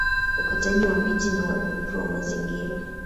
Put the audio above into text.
Ukataji wa miti ni uharibifu wa mazingira